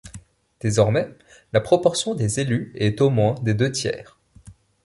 Désormais, la proportion des élus est au moins des deux tiers.